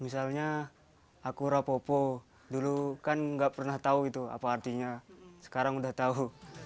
misalnya aku rapopo dulu kan nggak pernah tahu itu apa artinya sekarang udah tahu